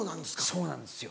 そうなんですよ。